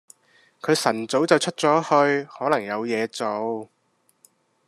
佢晨早就出咗去，可能有嘢做